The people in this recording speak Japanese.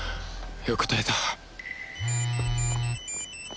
よく耐えた